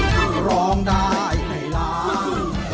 คือร้องได้ให้ล้าน